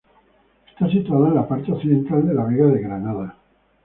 Está situado en la parte occidental de la Vega de Granada.